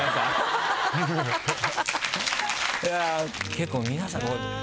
結構皆さん。